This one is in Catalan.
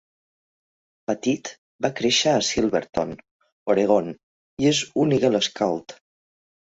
Pettit va créixer a Silverton, Oregon, i és un Eagle Scout.